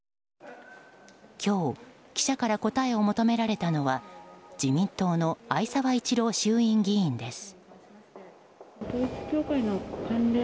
今日、記者から答えを求められたのは自民党の逢沢一郎衆院議員です。